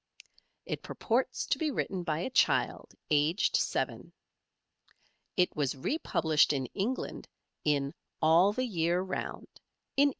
It purports to be written by a child aged eight. It was republished in England in "All the Year Round" in 1868.